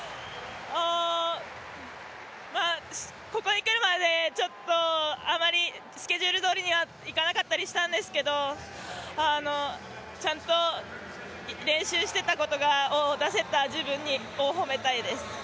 ここにくるまで、あまりスケジュールどおりにはいかなかったりしたんですけれどもちゃんと練習していたことが出せた自分を褒めたいです。